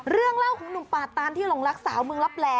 เรื่องเล่าของหนุ่มปาตานที่หลงรักสาวเมืองลับแหล่